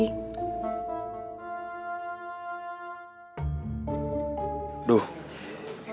dia pasti presidential kali udah mulai